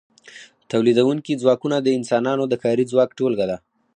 تولیدونکي ځواکونه د انسانانو د کاري ځواک ټولګه ده.